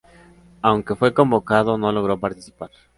Aunque fue convocado, no logró participar.